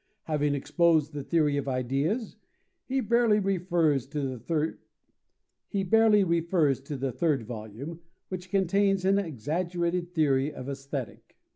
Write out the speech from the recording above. Having exposed the theory of Ideas, he barely refers to the third volume, "which contains an exaggerated theory of Aesthetic."